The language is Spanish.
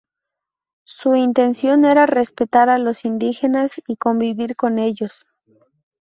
Su intención era respetar a los indígenas y convivir con ellos.